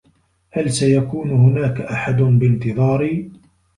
هل سيكون هناك أحد بانتظاري؟